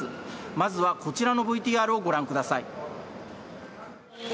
まずはこちらのＶＴＲをご覧ください。